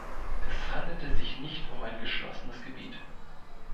Es handelte sich nicht um ein geschlossenes Gebiet.